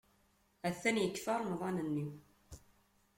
Atan yekfa Remḍan-nni!